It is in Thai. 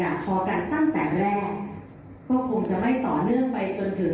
แต่ตำรวจก็บอกว่าที่มาแถลงแล้วเอาคลิปมาให้ดูไม่ได้หมายความว่าจะสื่อสารไปยังประชาชนว่าฝ่ายใดผิดฝ่ายใดถูกมากกว่ากัน